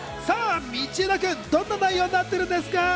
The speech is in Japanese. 道枝君、どんな内容になってるんですか？